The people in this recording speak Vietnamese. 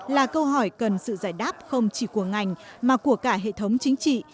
là câu hỏi cần sự giải đáp không chỉ của ngành mà của cả hệ thống chính trị